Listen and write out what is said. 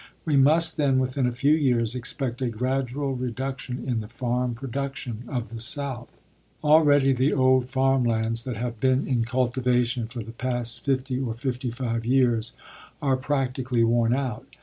We must then, within a few years, expect a gradual reduction in the farm production of the South. Already the old farm lands that have been in cultivation for the past fifty or fifty five years are practically worn out.